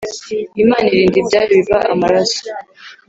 imana irinda ibyayo biva amaraso,